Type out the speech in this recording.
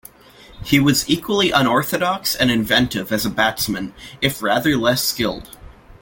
He was equally unorthodox and inventive as a batsman, if rather less skilled.